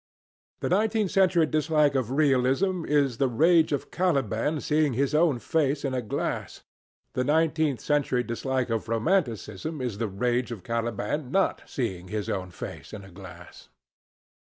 The nineteenth century dislike of realism is the rage of Caliban seeing his own face in a glass. The nineteenth century dislike of romanticism is the rage of Caliban not seeing his own face in a glass.